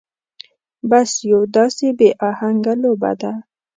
بس يو داسې بې اهنګه لوبه ده.